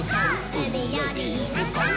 うみよりむこう！？」